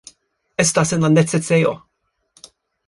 Estas en la necesejo!